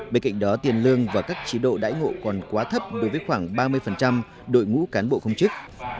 bên cạnh đó tiền lương và các chế độ đãi ngộ còn quá thấp đối với khoảng ba mươi đội ngũ cán bộ công chức